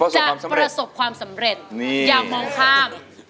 จะประสบความสำเร็จอย่ามองข้าม